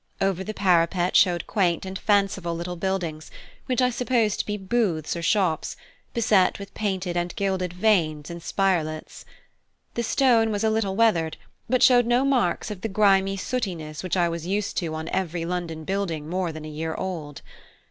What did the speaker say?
Over the parapet showed quaint and fanciful little buildings, which I supposed to be booths or shops, beset with painted and gilded vanes and spirelets. The stone was a little weathered, but showed no marks of the grimy sootiness which I was used to on every London building more than a year old.